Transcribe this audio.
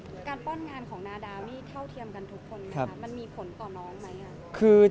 การป้อนงานของนาดาวนี่เท่าเทียมกันทุกคนไหมคะมันมีผลต่อน้องไหม